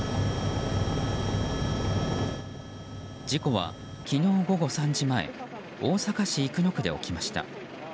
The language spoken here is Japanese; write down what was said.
事故は昨日午後３時前大阪市生野区で起きました。